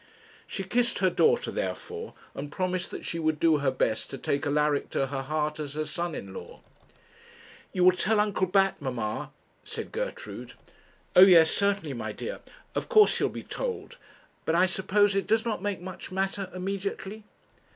She kissed her daughter, therefore, and promised that she would do her best to take Alaric to her heart as her son in law. 'You will tell Uncle Bat, mamma?' said Gertrude. 'O yes certainly, my dear; of course he'll be told. But I suppose it does not make much matter, immediately?'